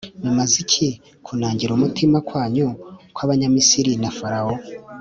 bimaze iki kunangira umutima wanyu nk'abanyamisiri na farawo